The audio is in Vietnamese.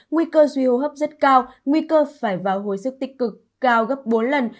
nguy cơ suy hô hấp rất cao nguy cơ phải vào hồi sức tích cực cao gấp bốn lần